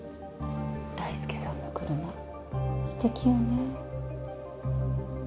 大介さんの車すてきよね